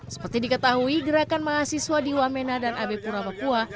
seperti diketahui gerakan mahasiswa di wamena dan ab pura papua